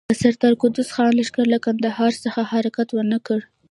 د سردار قدوس خان لښکر له کندهار څخه حرکت ونه کړ.